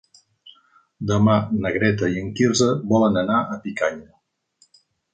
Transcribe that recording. Demà na Greta i en Quirze volen anar a Picanya.